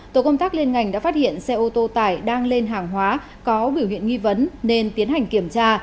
tổ công tác liên ngành đã phát hiện xe ô tô tải đang lên hàng hóa có biểu hiện nghi vấn nên tiến hành kiểm tra